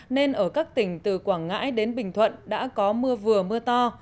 nên ở các tỉnh từ quảng ngãi đến bình thuận đã có mưa vừa mưa to